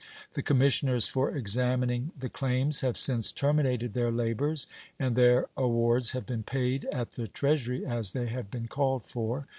The commissioners for examining the claims have since terminated their labors, and their awards have been paid at the Treasury as they have been called for.